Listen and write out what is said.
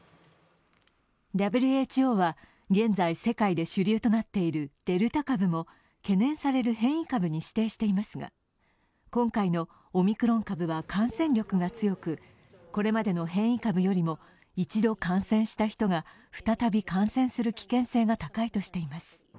ＷＨＯは、現在、世界で主流となっているデルタ株も懸念される変異株に指定していますが、今回のオミクロン株は感染力が強く、これまでの変異株よりも一度感染した人が再び感染する危険性が高いとしています。